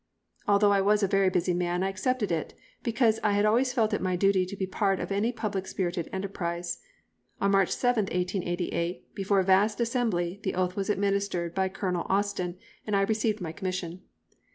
Although I was a very busy man I accepted it, because I had always felt it my duty to be a part of any public spirited enterprise. On March 7th, 1888, before a vast assembly, the oath was administered by Colonel Austen, and I received my commission.